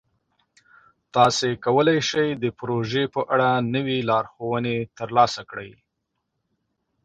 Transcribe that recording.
تاسو کولی شئ د پروژې په اړه نوې لارښوونې ترلاسه کړئ.